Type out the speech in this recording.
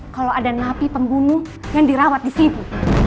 kalau ada napi pembunuh yang dirawat di situ